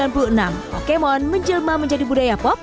pokemon menjelma menjadi budaya pop